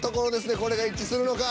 これが一致するのか。